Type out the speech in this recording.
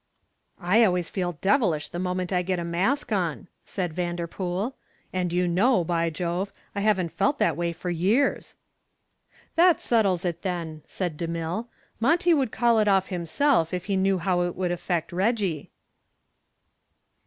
"I always feel devilish the moment I get a mask on," said Vanderpool, "and you know, by Jove, I haven't felt that way for years." "That settles it, then," said DeMille. "Monty would call it off himself if he knew how it would affect Reggie."